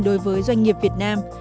đối với doanh nghiệp việt nam